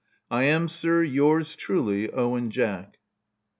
I am, sir, Yours truly, Owen Jack."